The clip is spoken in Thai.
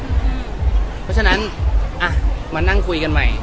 เพราะฉะนั้นมานั่งคุยกันใหม่